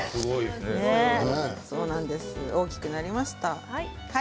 大きくなりました。